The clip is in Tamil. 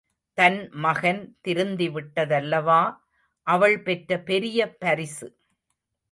தன் மகன் திருந்திவிட்டதல்லவா அவள் பெற்ற பெரிய பரிசு!